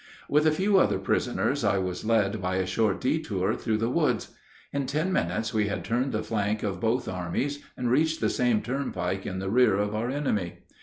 With a few other prisoners I was led by a short detour through the woods. In ten minutes we had turned the flank of both armies and reached the same turnpike in the rear of our enemy.